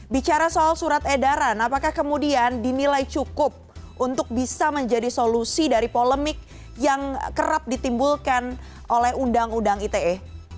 bicara soal surat edaran apakah kemudian dinilai cukup untuk bisa menjadi solusi dari polemik yang kerap ditimbulkan oleh undang undang ite